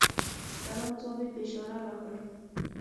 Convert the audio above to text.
د سلام ځواب یې په اشاره راکړ .